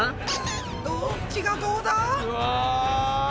どっちがどうだ？うわ！